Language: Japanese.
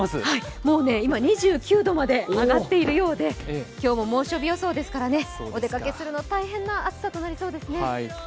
今２９度まで上がっているようで今日も猛暑日予想ですから、お出かけするの大変な暑さとなりそうですね。